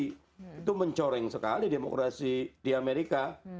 itu mencoreng sekali demokrasi di amerika